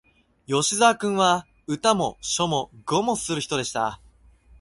吉沢君は、歌も書も碁もする人でした